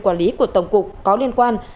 quản lý của tổng cục có liên quan